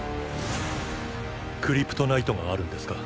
クリプトナイトがあるんですか？